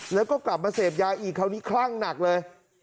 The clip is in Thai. แล้วก็กลับมาเสพยาอีกคราวนี้คลั่งหนักเลย